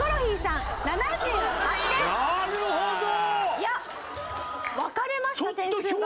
いや分かれました点数が。